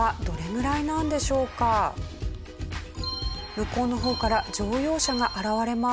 向こうの方から乗用車が現れます。